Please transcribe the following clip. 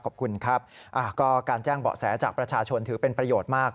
ขอบคุณครับก็การแจ้งเบาะแสจากประชาชนถือเป็นประโยชน์มาก